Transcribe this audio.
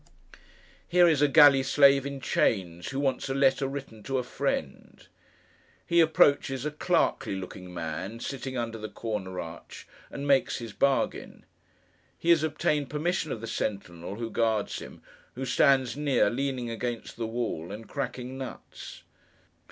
Here is a galley slave in chains, who wants a letter written to a friend. He approaches a clerkly looking man, sitting under the corner arch, and makes his bargain. He has obtained permission of the sentinel who guards him: who stands near, leaning against the wall and cracking nuts.